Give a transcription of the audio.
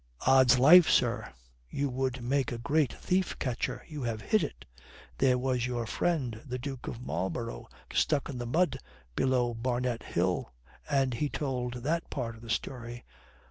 "Odds life, sir, you would make a great thief catcher. You have hit it. There was your friend, the Duke of Marl borough, stuck in the mud below Barnet Hill." And he told that part of the story.